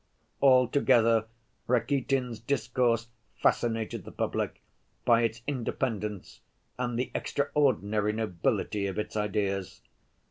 Altogether, Rakitin's discourse fascinated the public by its independence and the extraordinary nobility of its ideas.